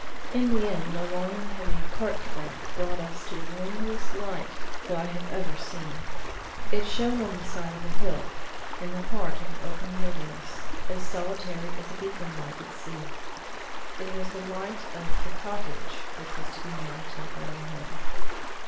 In the end a long and heavy cart track brought us to the loneliest light that I have ever seen. It shone on the side of a hill in the heart of an open wilderness as solitary as a beacon light at sea. It was the light of the cottage which was to be my temporary home.